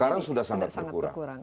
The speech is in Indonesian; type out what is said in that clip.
harusnya sudah sangat berkurang